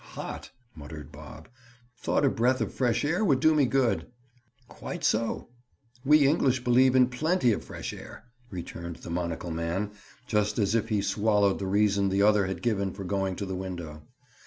"Hot," muttered Bob. "Thought a breath of fresh air would do me good." "Quite so. We English believe in plenty of fresh air," returned the monocle man, just as if he swallowed the reason the other had given for going to the window.